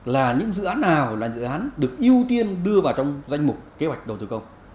là những dự án nào là dự án được ưu tiên đưa vào trong danh mục kế hoạch đầu tư công